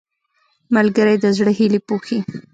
ملګری د زړه هیلې پوښي